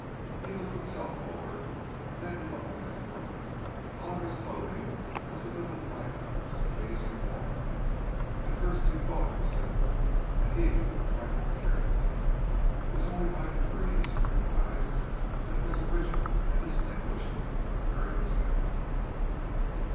He looked himself over, and then he looked at his brother. Oliver's clothing was a little like the Circassian walnut; at first you thought that it was simple, and even a trifle careless—it was only by degrees you realized that it was original and distinguished, and very expensive.